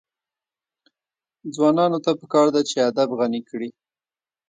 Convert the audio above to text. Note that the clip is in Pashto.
ځوانانو ته پکار ده چې، ادب غني کړي.